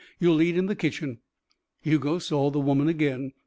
You'll eat in the kitchen." Hugo saw the woman again.